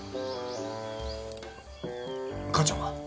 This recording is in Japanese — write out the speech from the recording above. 母ちゃんは？